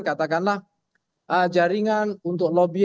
katakanlah jaringan untuk lobby